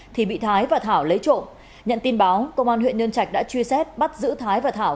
thì bị thái và thảo lấy trộm nhận tin báo công an huyện nhân trạch đã truy xét bắt giữ thái và thảo